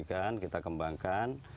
kemudian kita kembangkan